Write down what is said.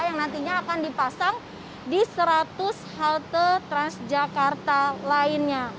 yang nantinya akan dipasang di seratus halte transjakarta lainnya